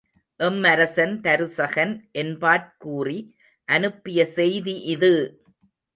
எம்மரசன் தருசகன் என்பாற் கூறி அனுப்பிய செய்தி இது!